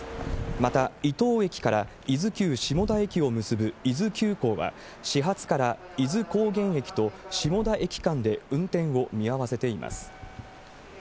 また、伊東駅から伊豆急下田駅を結ぶ伊豆急行は、始発から伊豆高原駅と、下田駅間で運転を見合わせています。